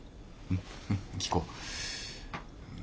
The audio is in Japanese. うんうん聞こう。